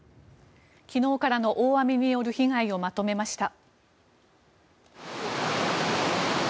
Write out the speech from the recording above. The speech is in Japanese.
昨日からの大雨による被害をまとめました。